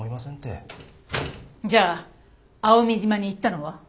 じゃあ蒼海島に行ったのは？